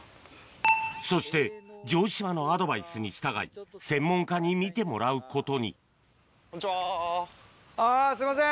そして城島のアドバイスに従い専門家に見てもらうことにあすいません。